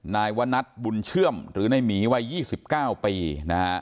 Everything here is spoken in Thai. นายวนัทบุญเชื่อมหรือในหมีวัย๒๙ปีนะฮะ